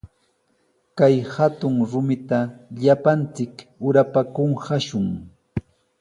Kay hatun rumita llapanchik urapa kumashun.